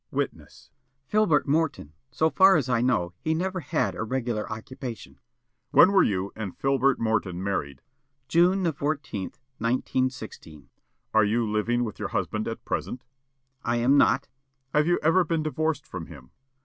Witness: "Filbert Morton. So far as I know, he never had a regular occupation." The State: "When were you and Filbert Morton married?" Witness: "June the fourteenth, 1916." The State: "Are you living with your husband at present?" Witness: "I am not." The State: "Have you ever been divorced from him?"